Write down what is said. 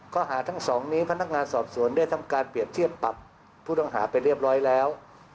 ข้อหาทั้งสองนี้พนักงานสอบสวนได้ทำการเปรียบเทียบปรับผู้ต้องหาไปเรียบร้อยแล้ว